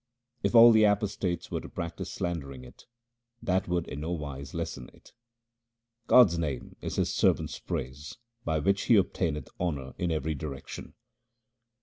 If all the apostates were to practise slandering it, that would in no wise lessen it. God's name is His servant's praise by which he obtaineth honour in every direction.